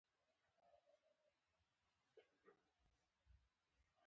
په خپلو ښو یې پښېمانه کړی یم.